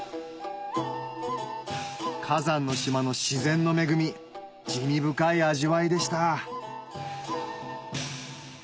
火山の島の自然の恵み滋味深い味わいでした